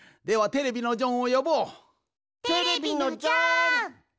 テレビのジョン。